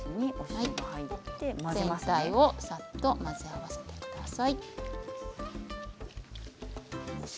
全体をさっと混ぜ合わせてください。